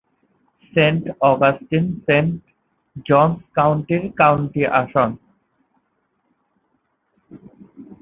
Saint Augustine Saint Johns কাউন্টির county আসন।